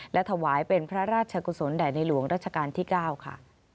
และถวายเป็นพระราชกุศลแด่ในหลวงรัชกาลที่๙ค่ะ